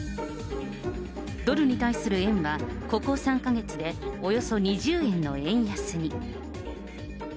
ドルに対する円は、ここ３か月でおよそ２０円の円安に。